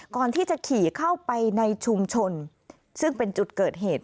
ก่อนที่จะขี่เข้าไปในชุมชนซึ่งเป็นจุดเกิดเหตุ